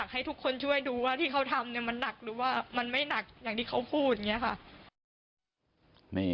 หรือหรือหรือ